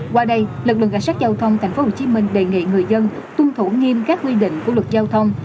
qua đây lực lượng cảnh sát giao thông tp hcm đề nghị người dân tuân thủ nghiêm các quy định của luật giao thông